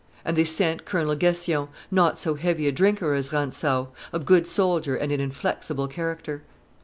And they sent Colonel Gnssion, not so heavy a drinker as Rantzau, a good soldier and an inflexible character.